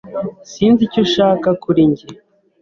Sinzi icyo ushaka kuri njye.